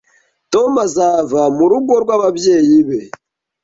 Tom azava mu rugo rw'ababyeyi be